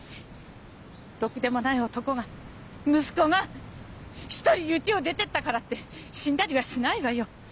ろくでもない男が息子が一人うちを出てったからって死んだりはしないわよ。